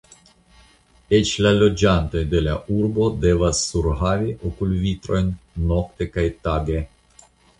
Eĉ la loĝantoj de la Urbo devas surhavi okulvitrojn nokte kaj tage.